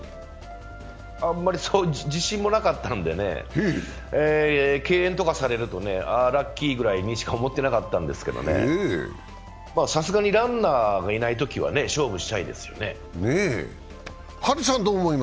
あんまり自信もなかったんでね、敬遠とかされるとね、ラッキーぐらいにしか思ってなかったんですけどね、さすがにランナーがいないときは勝負したいですよね。